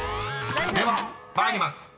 ［では参ります。